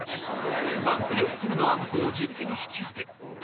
なんと４つ目の暗刻を自力で引き当て